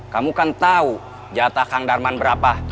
kamu kan tahu jatah kang darman berapa